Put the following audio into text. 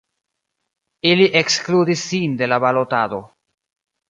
Ili ekskludis sin de la balotado.